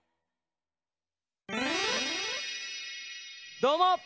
どうも！